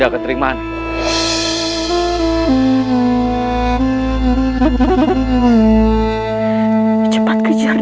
aku akan bawa m interested diri